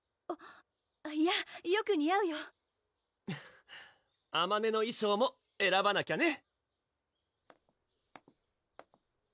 いやよく似合うよあまねの衣装もえらばなきゃね